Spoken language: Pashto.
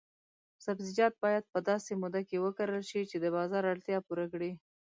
سبزیجات باید په داسې موده کې وکرل شي چې د بازار اړتیا پوره کړي.